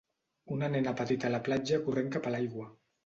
Una nena petita a la platja corrent cap a l'aigua.